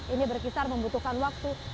ini berkisar membutuhkan waktu